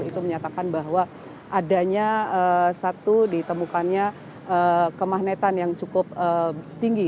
itu menyatakan bahwa adanya satu ditemukannya kemahnetan yang cukup tinggi